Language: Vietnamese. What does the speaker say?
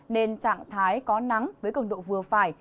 nên trạng thái có nắng với cường độ vừa phải